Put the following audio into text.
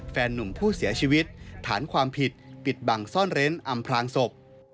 แฟนนุ่มผู้เสียชีวิตฐานความผิดปิดบังซ่อนเร้นอำพลางศพ